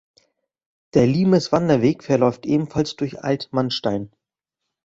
Der Limeswanderweg verläuft ebenfalls durch Altmannstein.